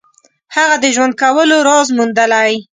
هغه د ژوند کولو راز موندلی.